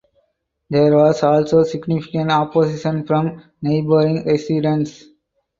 There was also significant opposition from neighboring residents.